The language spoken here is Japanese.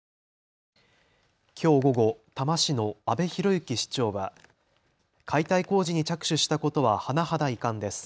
きょう午後、多摩市の阿部裕行市長は解体工事に着手したことは甚だ遺憾です。